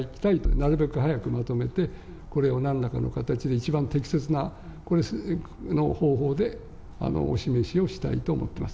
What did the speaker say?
なるべく早くまとめて、これをなんらかの形で、一番適切な方法でお示しをしたいと思っています。